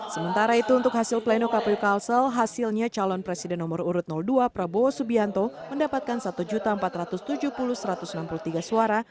sementara itu untuk hasil pleno kpu kalsel hasilnya calon presiden nomor urut dua prabowo subianto mendapatkan satu empat ratus tujuh puluh satu ratus enam puluh tiga suara